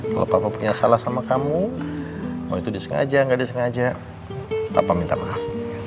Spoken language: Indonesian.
kalau punya salah sama kamu mau itu disengaja gak disengaja papa minta maaf